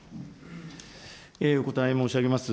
お答え申し上げます。